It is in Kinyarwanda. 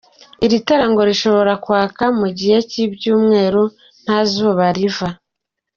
Iri tara ngo rishobora kwaka mu gihe cy’icyumweru nta zuba riva.